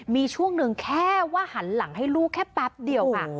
มีช่วงหนึ่งแค่ว่าหันหลังให้ลูกแค่แป๊บเดียวค่ะ